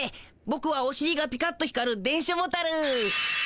ぼくはおしりがピカッと光る電書ボタル。